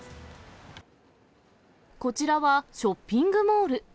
こちらはショッピングモール。